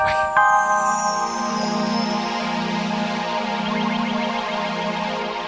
sampai jumpa di video selanjutnya